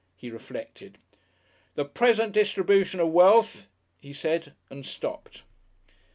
He reflected. "The Present distribution of Wealth," he said and stopped.